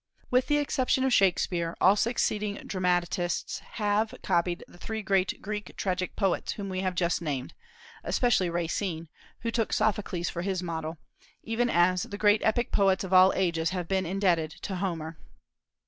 With the exception of Shakspeare, all succeeding dramatists have copied the three great Greek tragic poets whom we have just named, especially Racine, who took Sophocles for his model, even as the great epic poets of all ages have been indebted to Homer.